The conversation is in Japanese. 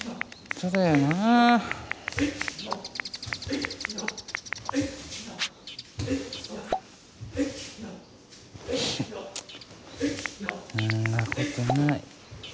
そんなことない。